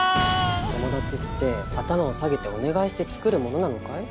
友達って頭を下げてお願いして作るものなのかい？